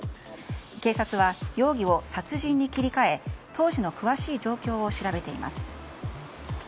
警察は容疑を殺人に切り替え当時の詳しい状況を調べています。